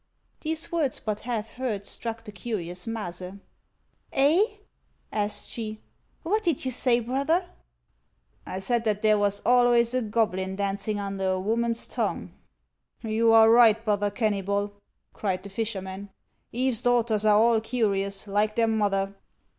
These words, but half heard, struck the curious Maase. " Eh !" asked she ;" what did you say, brother ?"" I said that there was always a goblin dancing under a woman's tongue." " You are right, brother Kennybol," cried the fisherman. " Eve's daughters are all curious, like their mother.